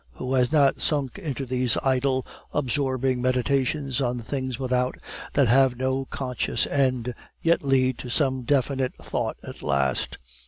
Who has not sunk into these idle, absorbing meditations on things without, that have no conscious end, yet lead to some definite thought at last.